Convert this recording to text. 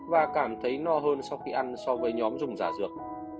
và cảm thấy no hơn sau khi ăn so với nhóm dùng giả dược